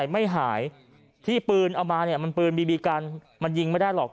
มันปืนบีบีกันมันยิงไม่ได้หรอก